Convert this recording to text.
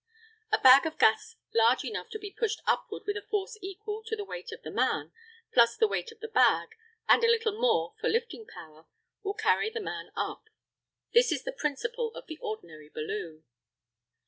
A bag of this gas large enough to be pushed upward with a force equal to the weight of the man, plus the weight of the bag, and a little more for lifting power, will carry the man up. This is the principle of the ordinary balloon.